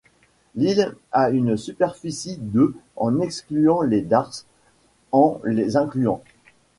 L'île a une superficie de en excluant les darses, en les incluant.